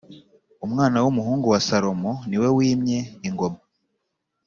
Umwana w’umuhungu wa salomo niwe wimye ingoma